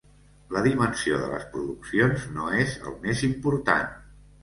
La dimensió de les produccions no és el més important.